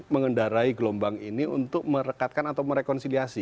mengendarai gelombang ini untuk merekatkan atau merekonsiliasi